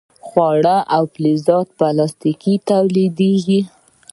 خواړه او فلزات او پلاستیک تولیدیږي.